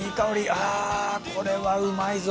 あぁこれはうまいぞ。